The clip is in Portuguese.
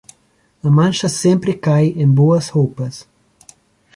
A mancha sempre cai em boas roupas.